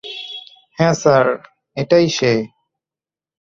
হ্যাঁ স্যার, এটাই সে!